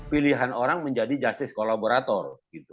pilihan orang menjadi justice kolaborator